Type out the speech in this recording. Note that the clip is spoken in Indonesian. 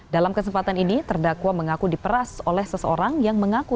dalam kesempatan ini terdakwa mengaku diperas oleh seseorang yang mengaku